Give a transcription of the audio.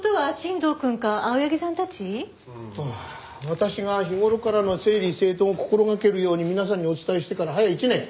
私が日頃からの整理整頓を心掛けるように皆さんにお伝えしてから早１年。